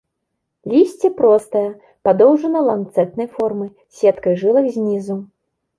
Лісце простае, падоўжана-ланцэтнай формы, з сеткай жылак знізу.